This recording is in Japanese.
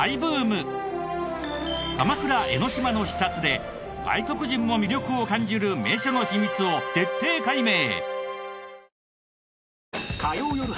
鎌倉・江の島の視察で外国人も魅力を感じる名所の秘密を徹底解明！